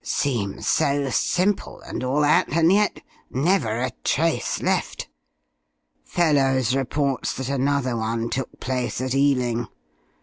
Seem so simple, and all that, and yet never a trace left. Fellowes reports that another one took place, at Ealing.